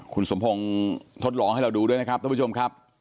คุณสมพงศ์ทดลองให้เราดูด้วยนะครับท่านผู้ชมครับ